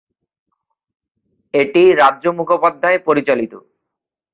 এটি রাজ মুখোপাধ্যায় পরিচালিত।